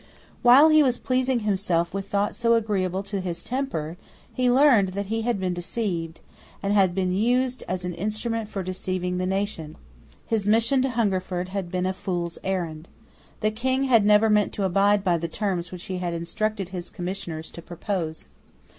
While he was pleasing himself with thoughts so agreeable to his temper, he learned that he had been deceived, and had been used as an instrument for deceiving the nation. His mission to Hungerford had been a fool's errand. The King had never meant to abide by the terms which he had instructed his Commissioners to propose.